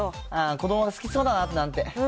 子どもが好きそうだな、なんて。